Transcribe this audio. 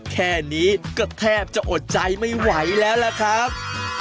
แค่นี้ก็แทบจะอดใจไม่ไหวแล้วล่ะครับ